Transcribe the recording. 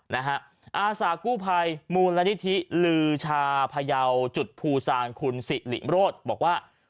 อาสากู้ภัยมูลนิธิลือชาพยาวจุดภูซางคุณสิริโรธบอกว่า